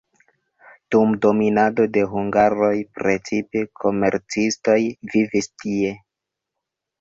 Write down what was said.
Dum dominado de hungaroj precipe komercistoj vivis tie.